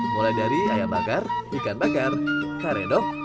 mulai dari ayam bakar ikan bakar kare dok